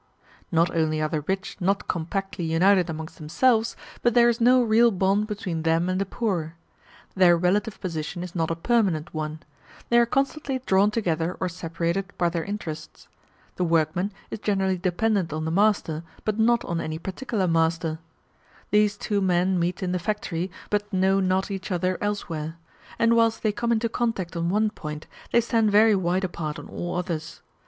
Not only are the rich not compactly united amongst themselves, but there is no real bond between them and the poor. Their relative position is not a permanent one; they are constantly drawn together or separated by their interests. The workman is generally dependent on the master, but not on any particular master; these two men meet in the factory, but know not each other elsewhere; and whilst they come into contact on one point, they stand very wide apart on all others.